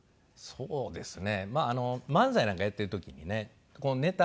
そうですね。